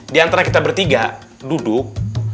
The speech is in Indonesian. di antara kita bertiga duduk